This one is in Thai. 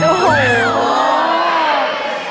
โอ้โห